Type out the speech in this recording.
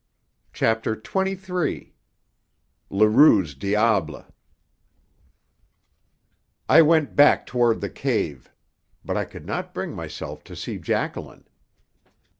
CHAPTER XXIII LEROUX'S DIABLE I went back toward the cave. But I could not bring myself to see Jacqueline.